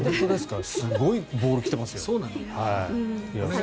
すごいボール来てますよ。